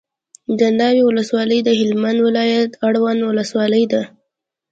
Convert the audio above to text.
دناوی ولسوالي دهلمند ولایت اړوند ولسوالي ده